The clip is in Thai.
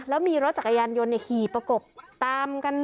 แล้วมีรถจักรยานยนต์ขี่ประกบตามกัน